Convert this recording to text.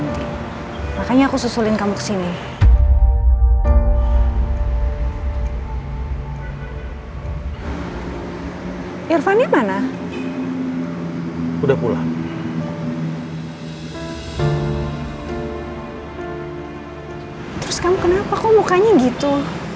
terus kamu kenapa kok mukanya gitu